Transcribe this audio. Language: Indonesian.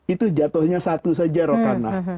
itu jatuhnya satu saja rokanah